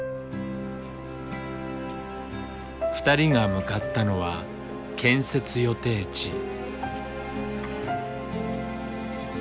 ２人が向かったのは建設予定地。